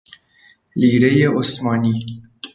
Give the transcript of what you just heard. لیرۀ عثمانی